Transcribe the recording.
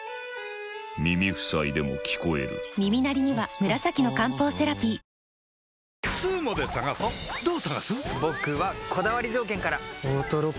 耳塞いでも聞こえる耳鳴りには紫の漢方セラピーどうぞ。